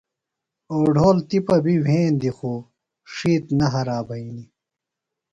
اوڈھول تِپہ بی وھیندی خو ڇِھیتر نہ ہرائی بھینی۔